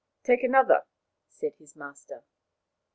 " Take another," said his master.